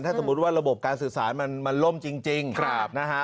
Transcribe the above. ถ้าสมมุติว่าระบบการสื่อสารมันล่มจริงนะฮะ